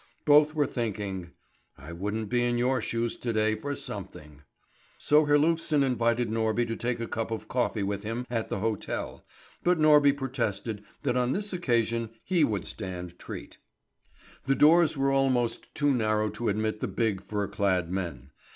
Both were thinking: "I wouldn't be in your shoes to day for something!" So Herlufsen invited Norby to take a cup of coffee with him at the hotel, but Norby protested that on this occasion he would stand treat. The doors were almost too narrow to admit the big, fur clad men.